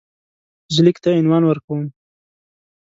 زه لیک ته عنوان ورکوم.